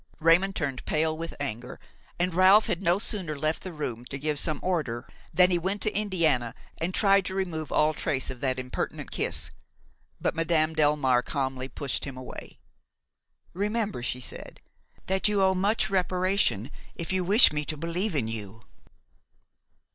Raymon turned pale with anger and Ralph had no sooner left the room to give some order, than he went to Indiana and tried to remove all trace of that impertinent kiss. But Madame Delmare calmly pushed him away. "Remember," she said, "that you owe much reparation if you wish me to believe in you."